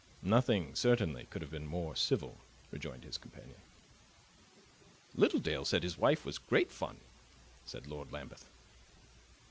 "Nothing, certainly, could have been more civil," rejoined his companion. "Littledale said his wife was great fun," said Lord Lambeth.